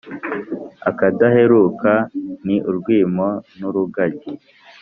® akadahera ni urwimo n’urugaryi ¯